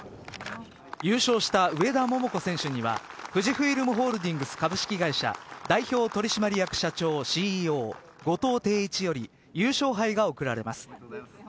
優勝した上田桃子選手には富士フイルムホールディングス株式会社代表取締役社長ＣＥＯ後藤禎一より優勝杯が贈られます。